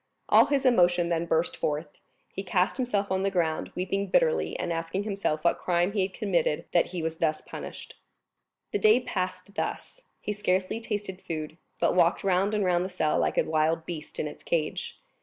All his emotion then burst forth; he cast himself on the ground, weeping bitterly, and asking himself what crime he had committed that he was thus punished. The day passed thus; he scarcely tasted food, but walked round and round the cell like a wild beast in its cage.